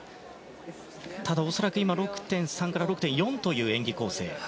ただ、恐らく今は６．３から６．４という演技構成。